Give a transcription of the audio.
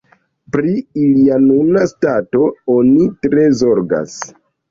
Pri ilia nuna stato oni tre zorgas.